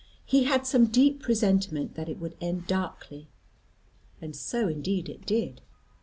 He had some deep presentiment that it would end darkly, and so indeed it did.